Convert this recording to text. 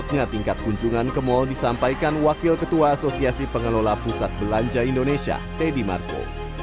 selanjutnya tingkat kunjungan ke mal disampaikan wakil ketua asosiasi pengelola pusat belanja indonesia teddy marco